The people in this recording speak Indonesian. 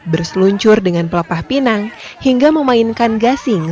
berseluncur dengan pelepah pinang hingga memainkan gasing